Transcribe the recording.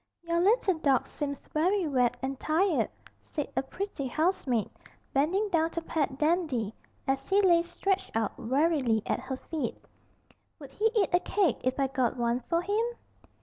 'Your little dog seems very wet and tired,' said a pretty housemaid, bending down to pat Dandy, as he lay stretched out wearily at her feet. 'Would he eat a cake if I got one for him?'